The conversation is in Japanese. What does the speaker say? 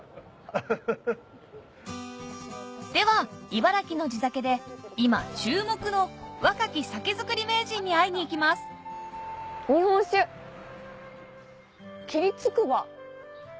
では茨城の地酒で今注目の若き酒造り名人に会いに行きます「日本酒霧筑波」。